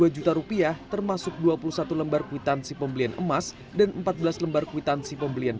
dua juta rupiah termasuk dua puluh satu lembar kwitansi pembelian emas dan empat belas lembar kwitansi pembelian